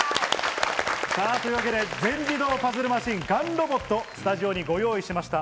というわけで全自動パズルマシン、ＧＡＮＲＯＢＯＴ、スタジオにご用意しました。